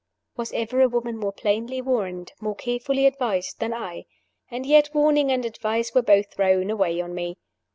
Was ever a woman more plainly warned, more carefully advised, than I? And yet warning and advice were both thrown away on me.